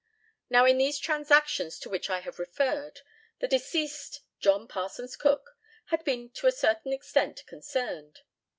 Now, in these transactions to which I have referred, the deceased John Parsons Cook had been to a certain extent concerned.